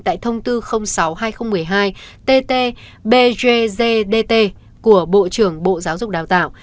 tại thông tư sáu hai nghìn một mươi hai ttbgzdt của bộ trường bộ giáo dục đào tạo